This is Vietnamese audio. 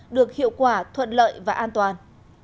được hiệu quả thuận lợi và an toàn